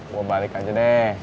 gua balik aja deh